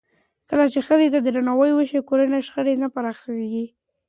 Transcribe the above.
کله چې ښځو ته درناوی وشي، کورني شخړې نه پراخېږي.